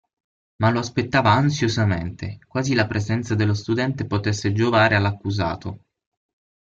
Ma lo aspettava ansiosamente, quasi la presenza dello studente potesse giovare all'accusato.